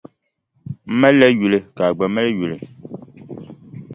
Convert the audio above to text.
M malila yuli ka a gba mali yuli.